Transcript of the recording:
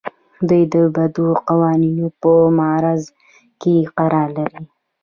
دوی د بدو قوانینو په معرض کې قرار لري.